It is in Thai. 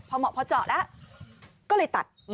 พอเหมาะพอเจาะแล้วก็เลยตัด